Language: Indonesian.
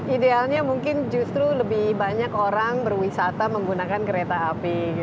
idealnya mungkin justru lebih banyak orang berwisata menggunakan kereta api